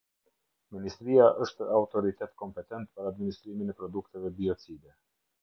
Ministria është autoritet kompetent për administrimin e produkteve biocide.